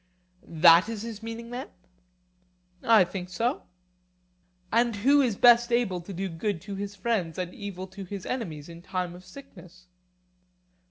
That is his meaning then? I think so. And who is best able to do good to his friends and evil to his enemies in time of sickness?